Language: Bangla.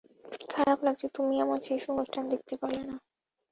খারাপ লাগছে তুমি আমার শেষ অনুষ্ঠান দেখতে পারলে না।